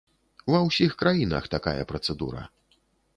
Ва ўсіх краінах такая працэдура.